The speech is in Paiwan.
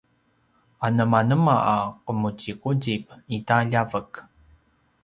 anemanema a qemuziquzip i ta ljavek?